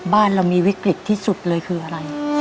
บ้านเรามีวิกฤตที่สุดเลยคืออะไร